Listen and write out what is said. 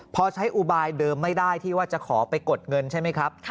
พอใช้อุบายเดิมไม่ได้ที่ว่าจะขอไปกดเงินใช่ไหมครับ